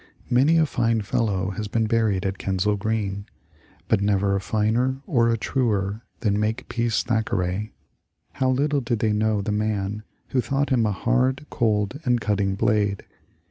" Many a fine fellow has been buried at Kensal Green, but never a finer or a truer than Makepeace Thackeray. How little did they know the man who thought him a hard, cold, and cutting blade.